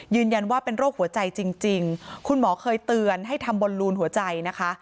ว่าเป็นโรคหัวใจจริงคุณหมอเคยเตือนให้ทำบอลลูนหัวใจนะคะ